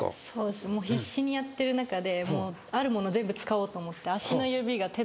必死にやってる中であるもの全部使おうと思って。